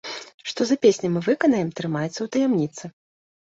Што за песні мы выканаем, трымаецца ў таямніцы.